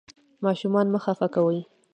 ماشومان مه خفه کوئ.